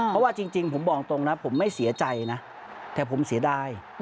เพราะว่าจริงผมบอกตรงนะผมไม่เสียใจนะแต่ผมเสียดาย